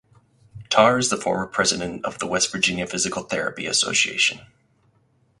Tarr is the former President of the West Virginia Physical Therapy Association.